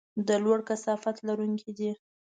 د لوړ کثافت لرونکي دي.